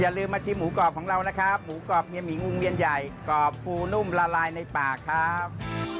ลืมมาชิมหมูกรอบของเรานะครับหมูกรอบเมียหมีงุงเวียนใหญ่กรอบปูนุ่มละลายในปากครับ